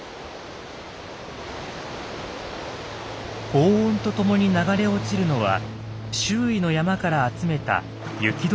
ごう音とともに流れ落ちるのは周囲の山から集めた雪解け水です。